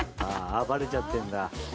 あバレちゃってんだ。